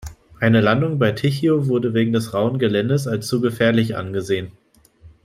Eine Landung bei Tycho wurde wegen des rauen Geländes als zu gefährlich angesehen.